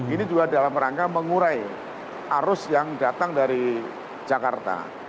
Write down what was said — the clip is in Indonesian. ini juga dalam rangka mengurai arus yang datang dari jakarta